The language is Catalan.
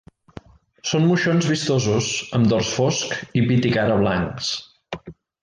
Són moixons vistosos, amb dors fosc i pit i cara blancs.